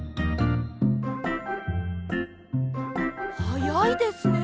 はやいですね！